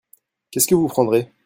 Qu'est-ce que vous prendrez ?